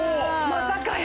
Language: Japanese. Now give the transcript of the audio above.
まさかや。